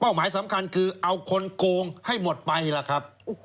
หมายสำคัญคือเอาคนโกงให้หมดไปล่ะครับ